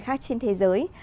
khác trên thế giới